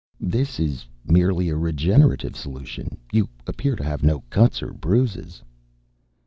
"This is merely a regenerative solution. You appear to have no cuts or bruises."